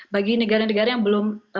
bagi negara negara yang belum